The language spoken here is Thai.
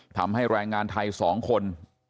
ทำให้แรงงานไทย๒คน